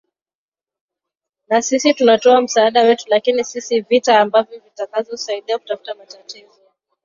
na sisi tunatoa msaada wetu lakini sio viza ambazo zitakazo saidia kutatua matatizo